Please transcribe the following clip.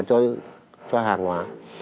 thì cái giá hàng hóa của chúng ta